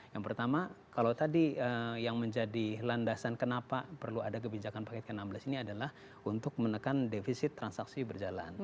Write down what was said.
yang pertama kalau tadi yang menjadi landasan kenapa perlu ada kebijakan paket ke enam belas ini adalah untuk menekan defisit transaksi berjalan